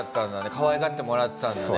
かわいがってもらってたんだね。